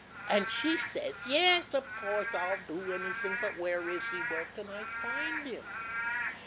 An' she says: 'Yes, of course—I'll do anything. But where is he? Where can I find him?